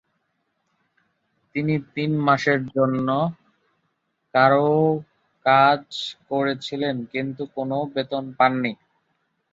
তিনি তিন মাসের জন্য কারও জন্য কাজ করেছিলেন কিন্তু কোনও বেতন পাননি।